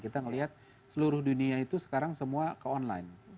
kita melihat seluruh dunia itu sekarang semua ke online